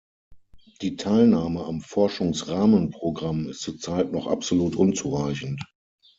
Die Teilnahme am Forschungsrahmenprogramm ist zur Zeit noch absolut unzureichend.